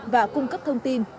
và cung cấp thông tin